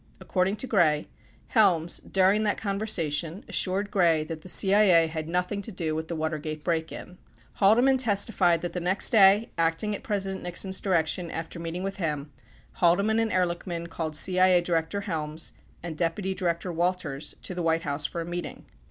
According to Gray, Helms, during that conversation, assured Gray that the CIA had nothing to do with the Watergate break in. 24 Haldeman testified that the next day, acting at President Nixon's direction after meeting with him, Haldeman and Ehrlichman called CIA Director Helms and Deputy Director Walters to the White House for a meeting.